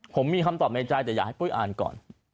ผมมีคำตอบในใจแต่อยากให้ปุ้ยอ่านก่อน